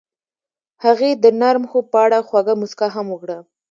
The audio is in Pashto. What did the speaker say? هغې د نرم خوب په اړه خوږه موسکا هم وکړه.